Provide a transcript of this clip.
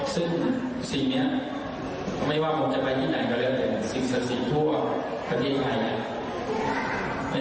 ซึ่งสิ่งนี้ไม่ว่าผมจะไปที่ไหนก็เรียกแต่สิ่งศาสิทธิ์ทั่วคดีไทย